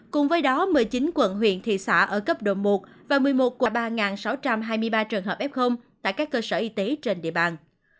cùng với đó một mươi chín quận huyện thị xã ở cấp độ một và một mươi một là ba sáu trăm hai mươi ba trường hợp f tại các cơ sở y tế trên địa bàn